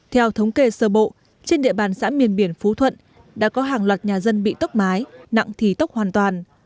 theo thống kê sơ bộ trên địa bàn xã miền biển phú thuận đã có hàng loạt nhà dân bị tốc mái nặng thì tốc hoàn toàn